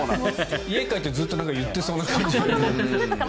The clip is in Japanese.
家に帰ってずっと言ってそうな感じ。